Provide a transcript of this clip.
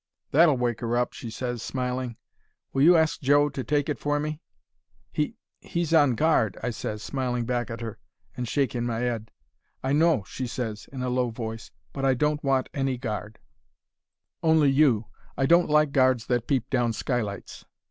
"'That'll wake her up,' She ses, smiling. 'Will you ask Joe to take it for me?' "'He—he's on guard,' I ses, smiling back at 'er and shaking my 'ead. "'I know,' she ses, in a low voice. 'But I don't want any guard—only you. I don't like guards that peep down skylights.'